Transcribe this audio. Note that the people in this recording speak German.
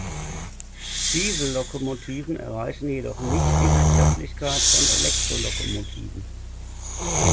Diesellokomotiven erreichen jedoch nicht die Wirtschaftlichkeit von Elektrolokomotiven.